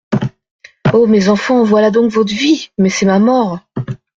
O mes enfants ! voilà donc votre vie ? Mais c'est ma mort.